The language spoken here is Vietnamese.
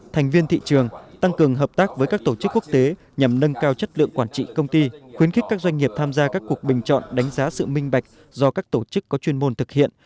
thành viên thị trường tăng cường hợp tác với các tổ chức quốc tế nhằm nâng cao chất lượng quản trị công ty khuyến khích các doanh nghiệp tham gia các cuộc bình chọn đánh giá sự minh bạch do các tổ chức có chuyên môn thực hiện